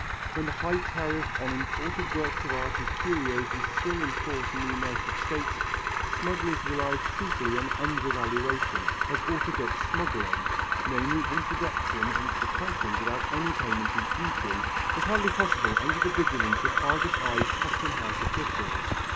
When the high tariff on imported works of art and curios was still in force in the United States, smugglers relied chiefly on undervaluation, as orthodox smuggling, namely introduction into the country without any payment of duty, was hardly possible under the vigilance of Argus eyed Custom House officials.